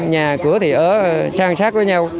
nhà cửa thì ở sang sát với nhau